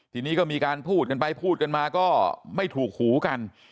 ทีนี้ก็มีการพูดกันไปพูดกันมาก็ไม่ถูกหูกัน